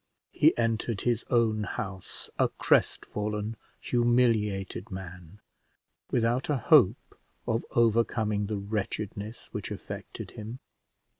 He entered his own house a crestfallen, humiliated man, without a hope of overcoming the wretchedness which affected him.